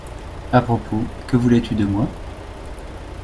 À propos, que voulais-tu de moi?